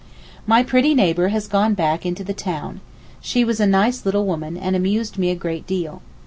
My pretty neighbour has gone back into the town. She was a nice little woman, and amused me a good deal.